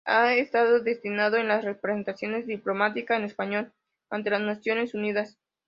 Ha estado destinado en la representación diplomática española ante las Naciones Unidas.